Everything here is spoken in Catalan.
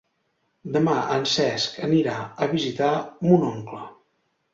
Demà en Cesc anirà a visitar mon oncle.